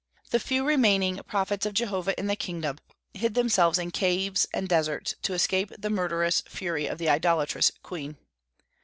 The few remaining prophets of Jehovah in the kingdom hid themselves in caves and deserts to escape the murderous fury of the idolatrous queen.